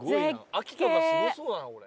秋とかすごそうだなこれ。